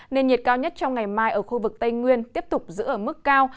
nền nhiệt cao nhất trong ngày mai ở khu vực tây nguyên tiếp tục giữ ở mức cao